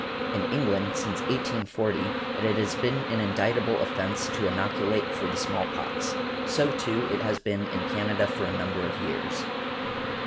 In England, since 1840, it has been an indictable offence to innoculate for the small pox . So, too, it has been in Canada for a number of years .